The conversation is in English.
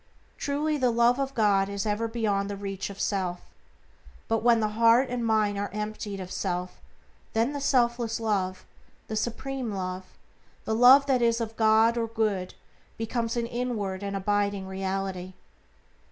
Truly, the Love of God is ever beyond the reach of self, but when the heart and mind are emptied of self then the selfless Love, the supreme Love, the Love that is of God or Good becomes an inward and abiding reality.